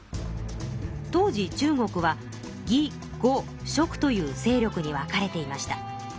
当時中国は魏呉蜀という勢力に分かれていました。